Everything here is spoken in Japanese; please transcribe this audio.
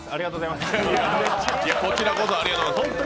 いや、こちらこそありがとうございます。